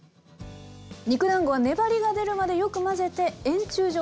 肉だんごは粘りが出るまでよく混ぜて円柱状にします。